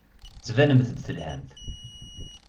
Tettbanemt-d telhamt.